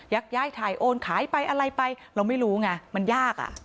ย้ายถ่ายโอนขายไปอะไรไปเราไม่รู้ไงมันยากอ่ะ